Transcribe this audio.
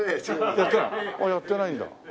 やってないんだ。